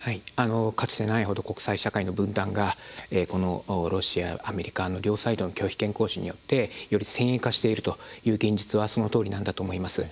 かつてない程国際社会の分断がこのロシア、アメリカの両サイドの拒否権行使によってより先鋭化しているという現実はそのとおりなんだと思います。